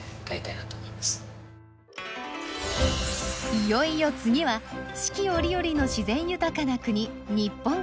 いよいよ次は四季折々の自然豊かな国日本から！